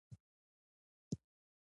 پښتو ژبه زموږ د ژوند برخه ده.